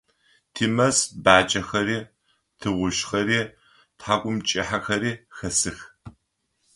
Тимэз баджэхэри, тыгъугъужъхэри, тхьакӏумкӏыхьэхэри хэсых.